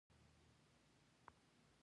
نو هغه چې ما د جنت هوا ګڼله.